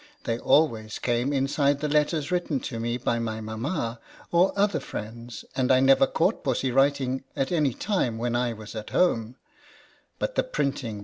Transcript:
They al ways came inside the letters written to me by my mamma, or other friends, and I never caught Pussy writing at any time when I was at home ; but the printing INTRODUCTION.